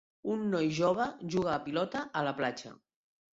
Un noi jove juga a pilota a la platja.